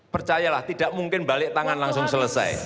percayalah tidak mungkin balik tangan langsung selesai